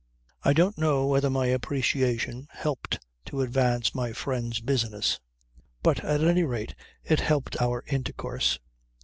I don't know whether my appreciation helped to advance my friend's business but at any rate it helped our intercourse.